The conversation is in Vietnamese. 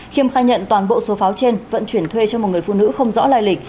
khiêm khai nhận toàn bộ số pháo trên vận chuyển thuê cho một người phụ nữ không rõ lai lịch